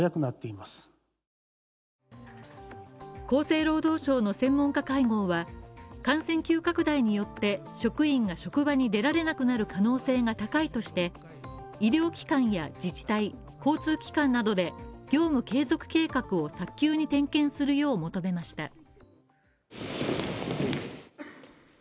厚生労働省の専門家会合は、感染急拡大によって、職員が職場に出られなくなる可能性が高いとして、医療機関や自治体、交通機関などで業務継続計画を早急に点検するよう求めました。